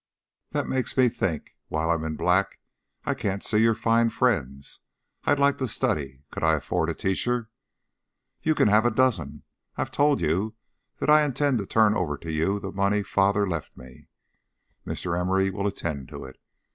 "That makes me think. While I'm in black I can't see your fine friends. I'd like to study. Could I afford a teacher?" "You can have a dozen. I've told you that I intend to turn over to you the money father left me. Mr. Emory will attend to it.